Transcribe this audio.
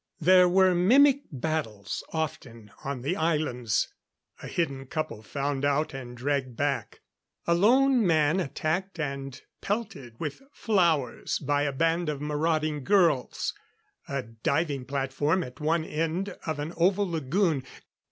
There were mimic battles often on the islands. A hidden couple found out and dragged back. A lone man attacked and pelted with flowers by a band of marauding girls. A diving platform at one end of an oval lagoon.